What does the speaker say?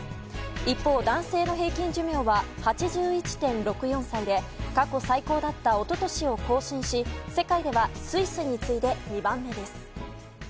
一方、男性の平均寿命は８１．６４歳で過去最高だった一昨年を更新し世界ではスイスに次いで２番目です。